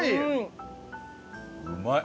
うまい。